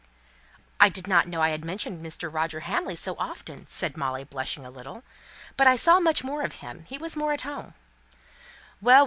"I didn't know I had mentioned Mr. Roger Hamley so often," said Molly, blushing a little. "But I saw much more of him he was more at home." "Well, well!